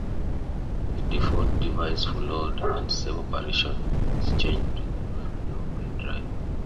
The default device for load and save operations is changed to the floppy drive.